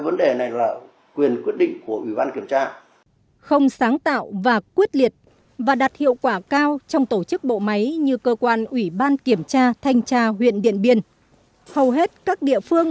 nhưng chỉ là đặt hiệu quả cao trong tổ chức bộ máy như cơ quan ủy ban kiểm tra thanh tra huyện điện biên